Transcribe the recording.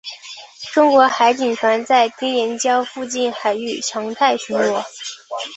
中国海警船在丁岩礁附近海域常态巡逻。